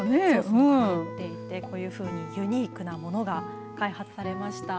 こういうふうにユニークなものが開発されました。